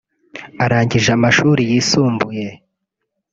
Arangije amashuri yisumbuye